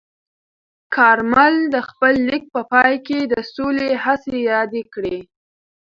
کارمل د خپل لیک په پای کې د سولې هڅې یادې کړې.